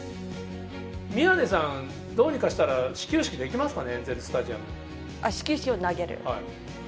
宮根さん、どうにかしたら、始球式できますかね、始球式を投げる？